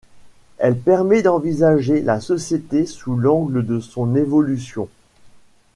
Elle permet d'envisager la société sous l'angle de son évolution.